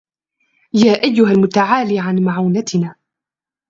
يا أيها المتعالي عن معونتنا